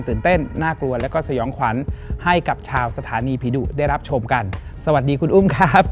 เต้นน่ากลัวแล้วก็สยองขวัญให้กับชาวสถานีผีดุได้รับชมกันสวัสดีคุณอุ้มครับ